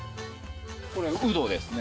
これウドですね。